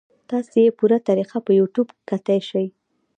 تاسو ئې پوره طريقه پۀ يو ټيوب کتے شئ -